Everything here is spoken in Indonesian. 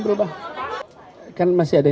f pertimbangan kerja akademi